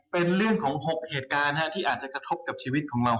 เป็นเรื่องของ๖เหตุการณ์ที่อาจจะกระทบกับชีวิตของเรา